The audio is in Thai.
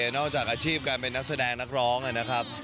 นอกจากอาชีพการเป็นนักแสดงนักร้องนะครับ